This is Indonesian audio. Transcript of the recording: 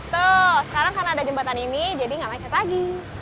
tuh sekarang karena ada jembatan ini jadi nggak macet lagi